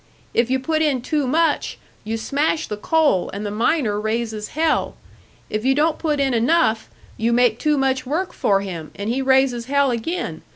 If you put in too much, you smash the coal, and the miner raises hell; if you don't put in enough, you make too much work for him, an' he raises hell again.